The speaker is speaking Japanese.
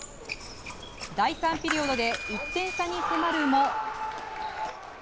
第３ピリオドで１点差に迫るも。